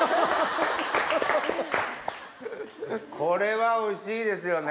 これはおいしいですよね。